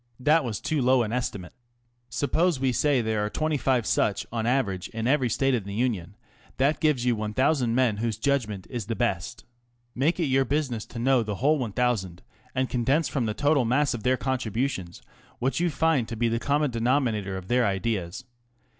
That was too low an estimate. Suppose we say that there are twenty five such on an average in every State in the Union. That gives you 1,000 men whose judgment is the best. Make it your business to know the whole 1,000, and condense from the total mass of their con tributions what you find to be the common denomi nator of their ideas.